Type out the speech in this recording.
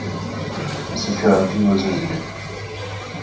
Security was needed.